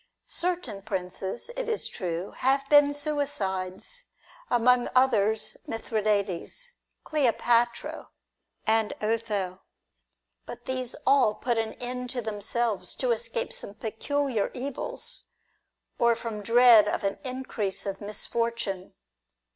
Certain princes, it is true, have been suicides, amongst others Mithridates, Cleopatra, and Otho. But these all put an end to themselves to escape some peculiar evils, or from dread of an increase of misfortune.